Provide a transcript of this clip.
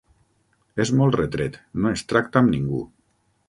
És molt retret: no es tracta amb ningú.